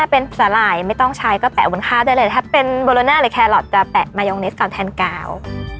ถ้าเป็นสลายไม่ต้องใช้ก็แปะอุ้นข้าวได้เลยถ้าเป็นบูโลน่าหรือแครอล็อตจะแปะแคลเลสก่อนแทนกาล